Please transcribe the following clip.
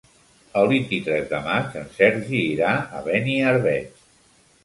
El vint-i-tres de maig en Sergi irà a Beniarbeig.